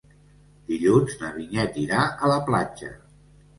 Dilluns na Vinyet irà a la platja.